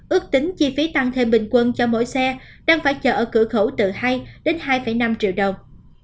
ước tính chi phí tăng thêm bình quân cho mỗi xe đang phải chờ ở cửa khẩu từ hai đến hai năm triệu đồng